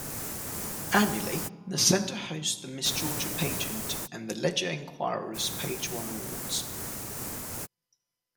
Annually, the center hosts the Miss Georgia Pageant and the Ledger-Enquirer's Page One Awards.